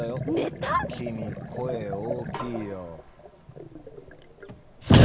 ⁉君声大きいよ。